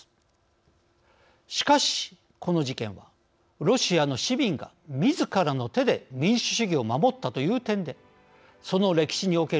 しかしこの事件はロシアの市民がみずからの手で民主主義を守ったという点でその歴史における意義は薄れるものではありません。